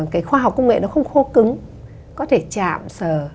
cái khoa học công nghệ nó không khô cứng có thể chạm sờ